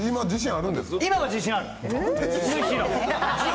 今は自信ある。